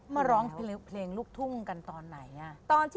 มาร้องเพลงลูกทุ่งกันตอนไหน